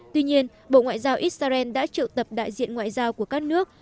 tuy nhiên bộ ngoại giao israel đã triệu tập đại diện ngoại giao của các nước